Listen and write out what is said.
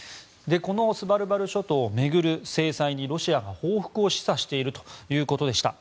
このスバルバル諸島を巡る制裁にロシアが報復を示唆しているということでした。